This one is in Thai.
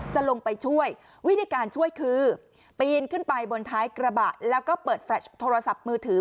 จะลงไปช่วยวิธีการช่วยคือปีนขึ้นไปบนท้ายกระบะแล้วก็เปิดแลตโทรศัพท์มือถือ